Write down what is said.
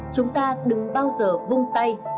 chúng ta đừng bao giờ vung tay